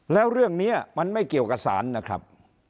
แล้วเรื่องนี้มันไม่เกี่ยวกับสารนะครับ